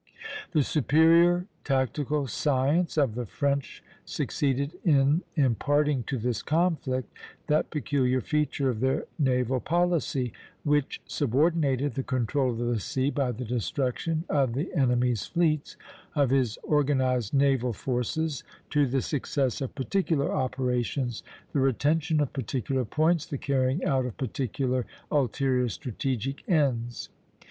The superior tactical science of the French succeeded in imparting to this conflict that peculiar feature of their naval policy, which subordinated the control of the sea by the destruction of the enemy's fleets, of his organized naval forces, to the success of particular operations, the retention of particular points, the carrying out of particular ulterior strategic ends.